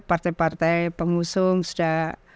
partai partai pengusung sudah